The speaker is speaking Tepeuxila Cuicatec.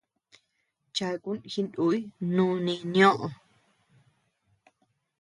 Chakun jinùy núni nioʼö.